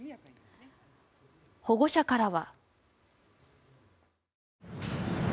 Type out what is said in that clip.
保護者からは。